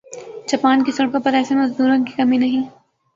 Japan کی سڑکوں پر ایسے مزدوروں کی کمی نہیں